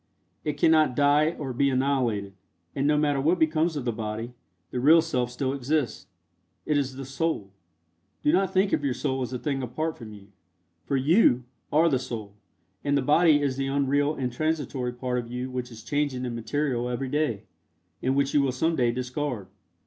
It cannot die or be annihilated, and no matter what becomes of the body, the real Self still exists. It is the Soul. Do not think of your Soul as a thing apart from you, for YOU are the Soul, and the body is the unreal and transitory part of you which is changing in material every day, and which you will some day discard.